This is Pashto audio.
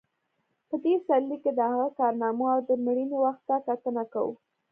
په دې سرلیک کې د هغه کارنامو او د مړینې وخت ته کتنه کوو.